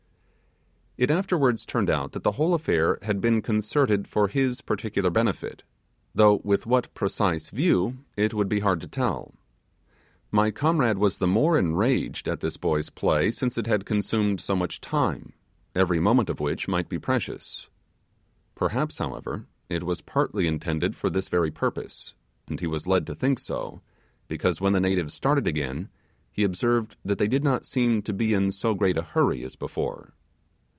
It afterwards turned out that the whole affair had been concerted for his particular benefit, though with what precise view it would be hard to tell. My comrade was the more enraged at this boys' play, since it had consumed so much time, every moment of which might be precious. Perhaps, however, it was partly intended for this very purpose; and he was led to think so, because when the natives started again, he observed that they did not seem to be in so great a hurry as before.